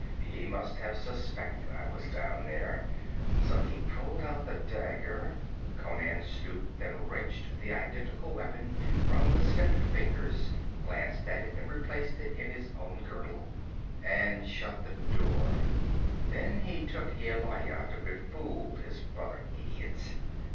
'He must have suspected I was down there. So he pulled out the dagger' Conan stooped and wrenched the identical weapon from the stiffening fingers, glanced at it and replaced it in his own girdle 'and shut the door. Then he took Yelaya to befool his brother idiots.